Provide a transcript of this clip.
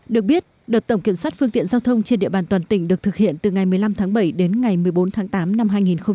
được biết đợt tổng kiểm soát phương tiện giao thông trên địa bàn toàn tỉnh được thực hiện từ ngày một mươi năm tháng bảy đến ngày một mươi bốn tháng tám năm hai nghìn một mươi chín